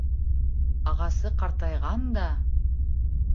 Ағасы ҡартайған да...